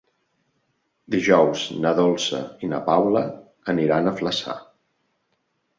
Dijous na Dolça i na Paula aniran a Flaçà.